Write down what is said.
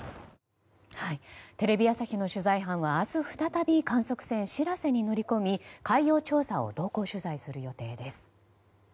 テレビ朝日の取材班は明日、再び観測船「しらせ」に乗り込み海洋調査を同行取材する予定です。